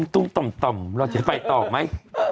ตุ้มต่อมเราจะไปต่อไหม